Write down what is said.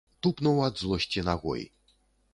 Тупнуў ад злосці нагой.